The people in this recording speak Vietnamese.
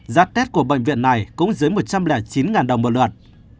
giá tết của bệnh viện này cũng dưới một trăm linh chín đồng một lượt